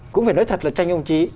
cũng phải nói thật là tranh ông trí